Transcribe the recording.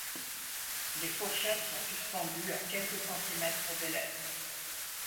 Les fourchettes sont suspendues à quelques centimètres des lèvres.